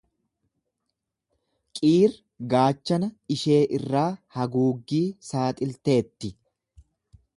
Qiir gaachana ishee irraa haguuggii saaxilteetti.